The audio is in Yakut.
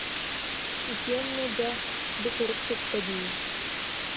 Итиэннэ дьэ, бу сурук тутта дии